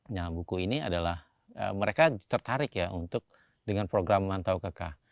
nah buku ini adalah mereka tertarik ya untuk dengan program mantau keka